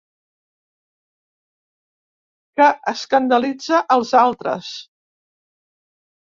Que escandalitza els altres.